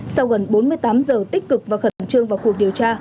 sau gần bốn mươi tám giờ tích cực và khẩn trương vào cuộc điều tra